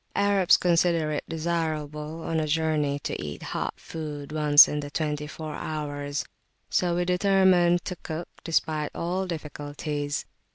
Arabs consider it desirable on a journey to eat hot food once in the twenty four hours; so we determine to cook, despite all difficulties.